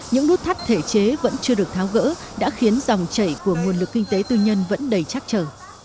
những nút thắt thể chế vẫn chưa được tháo gỡ đã khiến dòng chảy của nguồn lực kinh tế tư nhân vẫn đầy chắc chờ